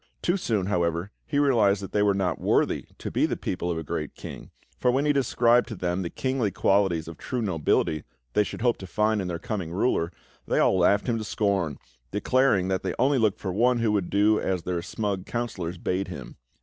Too soon, however, he realised that they were not worthy to be the people of a great king, for when he described to them the kingly qualities of true nobility they should hope to find in their coming ruler, they all laughed him to scorn, declaring that they only looked for one who would do as their smug councillors bade him.